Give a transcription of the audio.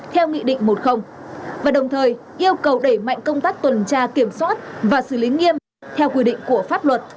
theo nghị định một mươi và đồng thời yêu cầu đẩy mạnh công tác tuần tra kiểm soát và xử lý nghiêm theo quy định của pháp luật